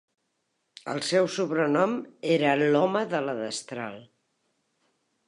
El seu sobrenom era "L'home de la destral".